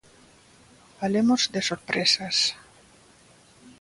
Falemos de sorpresas.